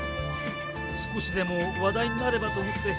少しでも話題になればと思って。